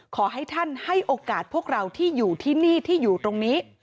ขอให้ท่านให้โอกาสพวกเราที่อยู่ที่นี่ที่อยู่ตรงนี้